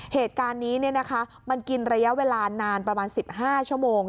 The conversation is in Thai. เหตุการณ์นี้มันกินระยะเวลานานประมาณ๑๕ชั่วโมง